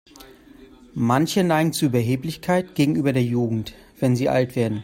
Manche neigen zu Überheblichkeit gegenüber der Jugend, wenn sie alt werden.